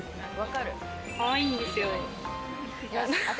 かわいいんですよ。